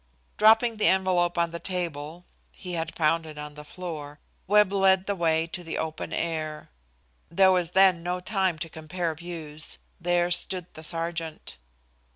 Dropping the envelope on the table he had found it on the floor Webb led the way to the open air. There was then no time to compare views. There stood the sergeant.